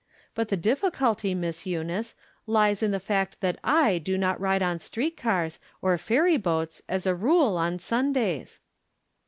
" But the difficulty. Miss Eunice, lies in the fact that J do not ride on street cars, or ferry boats, as a rule, on Sundays."